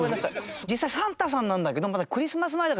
実際サンタさんなんだけど。